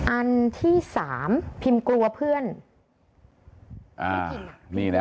อันที่สามพิมพ์กลัวเพื่อนอ่านี่น่ะ